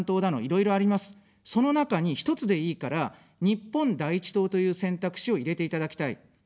その中に１つでいいから、日本第一党という選択肢を入れていただきたい。